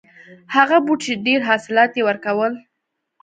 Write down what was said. هغه بوټی چې ډېر حاصلات یې ورکول.